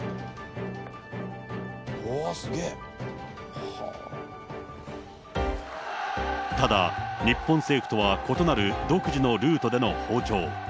うわー、ただ、日本政府とは異なる独自のルートでの訪朝。